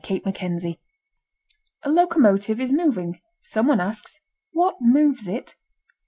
CHAPTER III A locomotive is moving. Someone asks: "What moves it?"